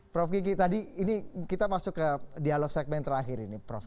prof gigi tadi ini kita masuk ke dialog segmen terakhir ini prof